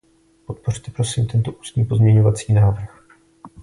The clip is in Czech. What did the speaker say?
Podpořte prosím tento ústní pozměňovací návrh.